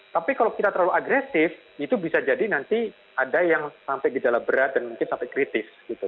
tapi kalau kita terlalu agresif itu bisa jadi nanti ada yang sampai gejala berat dan mungkin sampai kritis